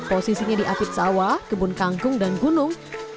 posisinya di afit sawa kebun kangkung dan gunung